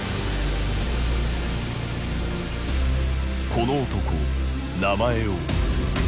この男名前を。